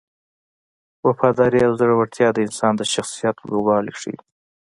وفاداري او زړورتیا د انسان د شخصیت لوړوالی ښيي.